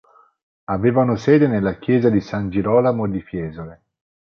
Avevano sede nella chiesa di San Girolamo di Fiesole.